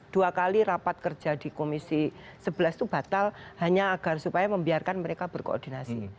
dua kali rapat kerja di komisi sebelas itu batal hanya agar supaya membiarkan mereka berkoordinasi